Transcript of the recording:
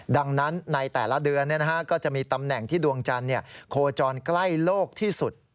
ดังนั้นในแต่ละเดือนก็จะมีตำแหน่งที่ดวงจันทร์โคจรใกล้โลกที่สุด